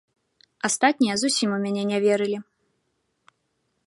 Астатнія зусім у мяне не верылі.